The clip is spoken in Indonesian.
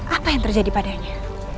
apa yang terjadi padanya